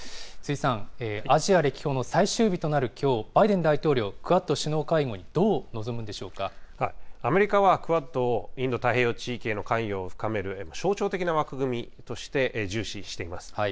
辻さん、アジア歴訪の最終日となるきょう、バイデン大統領、クアッド首脳会合に、どう臨むんでしアメリカはクアッドをインド太平洋地域への関与を深める、象徴的な枠組みとして重視しています。